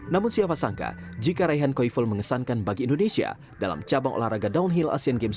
namun siapa sangka jika raihan koiful mengesankan bagi indonesia dalam cabang olahraga downhill asian games dua ribu